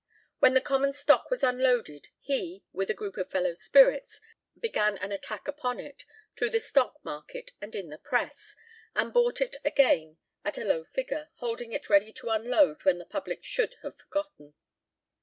When the common stock was unloaded, he, with a group of fellow spirits, began an attack upon it through the stock market and in the press, and bought it again at a low figure, holding it ready to unload when the public should have forgotten.